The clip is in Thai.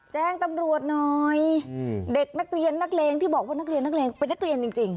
แจ้งตำรวจหน่อยเด็กนักเรียนนักเลงที่บอกว่านักเรียนนักเลงเป็นนักเรียนจริง